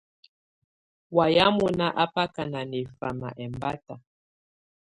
Wayɛ̀á mɔnà á bakà ná nɛfama ɛmbata.